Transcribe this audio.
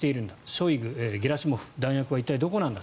ショイグ、ゲラシモフ弾薬は一体どこなんだ。